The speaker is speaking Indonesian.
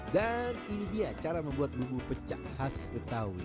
dan ini dia cara membuat bumbu pecah khas getawi